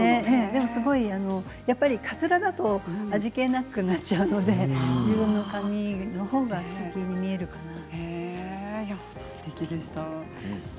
でも、やっぱりかつらだと味気なくなっちゃうので自分の髪の方がすてきに見えるかな。